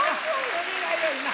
それがよいな。